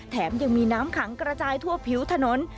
แถมยังมีน้ำขังกระจายทั่วผิวถนน